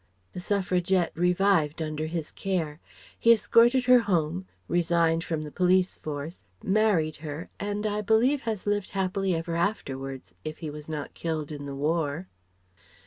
The Suffragette revived under his care. He escorted her home, resigned from the police force, married her and I believe has lived happily ever afterwards, if he was not killed in the War.